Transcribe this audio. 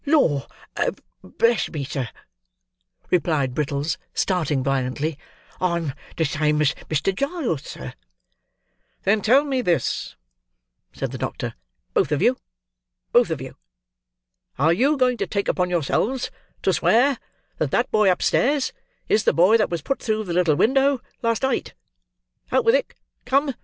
"Lord bless me, sir!" replied Brittles, starting violently; "I'm the same as Mr. Giles, sir." "Then tell me this," said the doctor, "both of you, both of you! Are you going to take upon yourselves to swear, that that boy upstairs is the boy that was put through the little window last night? Out with it! Come!